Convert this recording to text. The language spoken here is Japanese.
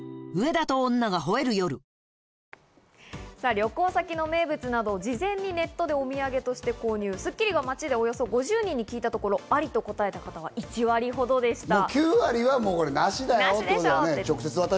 旅行先の名物など、事前にネットでお土産として購入、『スッキリ』が街でおよそ５０人に聞いたところ、ありと答えた方は１割ほどでした。